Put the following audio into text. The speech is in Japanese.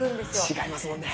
違いますもんね。